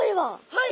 はい。